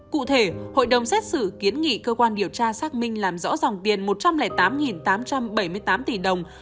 cụ thể hội đồng xét xử kiến nghị cơ quan điều tra xác minh làm rõ dòng tiền một trăm linh tám tám trăm bảy mươi tám tỷ đồng